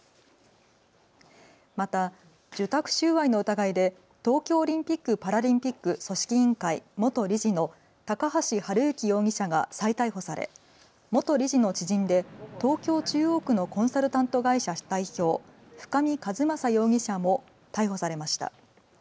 また受託収賄の疑いで東京オリンピック・パラリンピック組織委員会元理事の高橋治之容疑者が再逮捕され元理事の知人で東京中央区のコンサルタント会社代表、深見和政容疑者も逮捕されました。